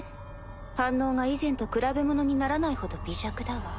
反応が以前と比べものにならないほど微弱だわ。